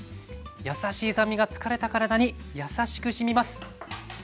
やさしい酸味が疲れた体にやさしくしみます。